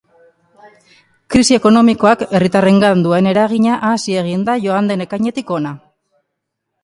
Krisi ekonomikoak herritarrengan duen eragina hazi egin da joan den ekainetik hona.